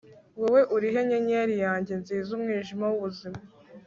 Wowe urihe nyenyeri yanjye nziza Umwijima wubuzima